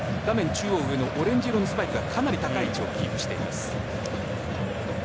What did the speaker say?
中央上のオレンジ色の選手がかなり高い位置をキープしています。